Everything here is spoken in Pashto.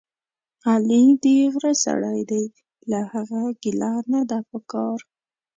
علي دغره سړی دی، له هغه ګیله نه ده پکار.